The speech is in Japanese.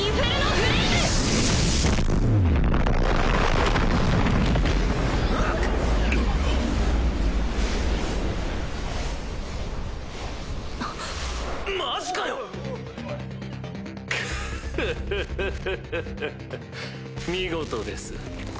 クフフフ見事です。